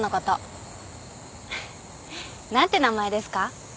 何て名前ですか？